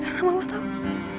karena mama tau